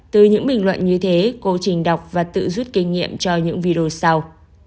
từ những bình luận như thế cô trình đọc và tự rút kinh nghiệm cho những video sau